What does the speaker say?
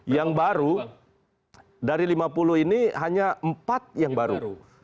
yang baru dari lima puluh ini hanya empat yang baru